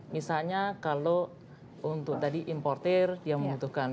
misalnya kalau untuk tadi importer yang membutuhkan